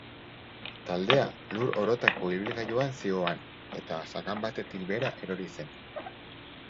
Taldea lur orotako ibilgailuan zihoan, eta sakan batetik behera erori zen.